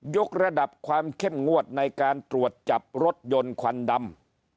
กระดับความเข้มงวดในการตรวจจับรถยนต์ควันดำ